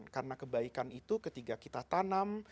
karena kebaikan itu ketika kita tanam